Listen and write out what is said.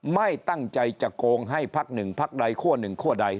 ไม่ตั้งใจจะโกงให้พักหนึ่งพักใดคั่วหนึ่งคั่วใด